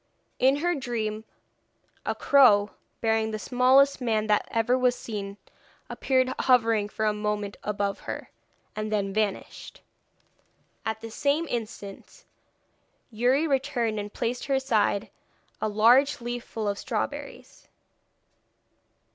In her dream a crow, bearing the smallest man that ever was seen, appeared hovering for a moment above her, and then vanished. At the same instant Youri returned and placed by her side a large leaf full of strawberries.